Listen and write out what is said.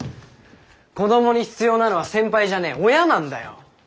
子どもに必要なのは先輩じゃねえ親なんだよ。